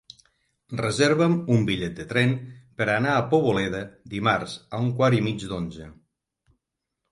Reserva'm un bitllet de tren per anar a Poboleda dimarts a un quart i mig d'onze.